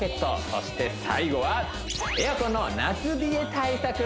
そして最後はエアコンの夏冷え対策